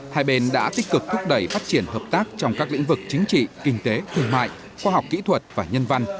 hai bên đã tích cực thúc đẩy phát triển hợp tác trong các lĩnh vực chính trị kinh tế thương mại khoa học kỹ thuật và nhân văn